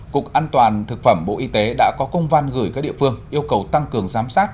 cục an toàn thực phẩm bộ y tế đã có công văn gửi các địa phương yêu cầu tăng cường giám sát